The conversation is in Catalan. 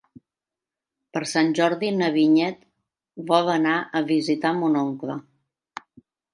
Per Sant Jordi na Vinyet vol anar a visitar mon oncle.